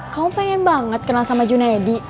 kamu pengen banget kenal sama junaidi